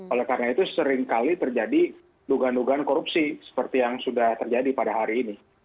oleh karena itu seringkali terjadi dugaan dugaan korupsi seperti yang sudah terjadi pada hari ini